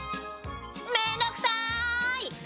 めんどくさーい！